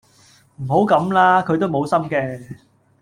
唔好咁啦，佢都冇心嘅